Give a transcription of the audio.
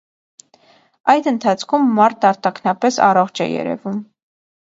Այդ ընթացքում մարդն արտաքնապես առողջ է երևում։